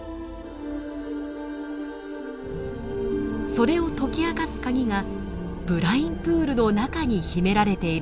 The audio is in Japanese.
それを解き明かす鍵がブラインプールの中に秘められているというのです。